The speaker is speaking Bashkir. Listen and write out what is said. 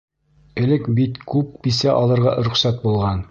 Элек бит күп бисә алырға рөхсәт булған.